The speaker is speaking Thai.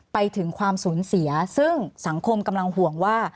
ไปถึงความสูญเสียซึ่งสังคมกำลังห่วงว่า